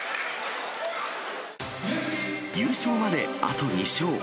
優勝まであと２勝。